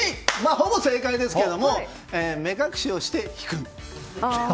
ほぼ正解ですけども目隠しをして弾く。